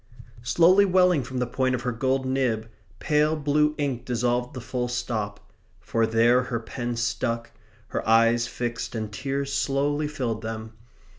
Slowly welling from the point of her gold nib, pale blue ink dissolved the full stop; for there her pen stuck; her eyes fixed, and tears slowly filled them.